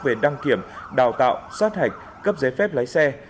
về đăng kiểm đào tạo sát hạch cấp giấy phép lái xe